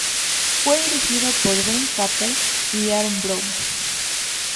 Fue dirigido por Ben Chappell y Aarón Brown.